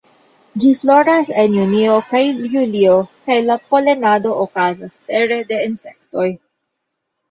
Ĝi floras en junio kaj julio, kaj la polenado okazas pere de insektoj.